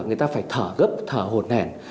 người ta phải thở gấp thở hồn hèn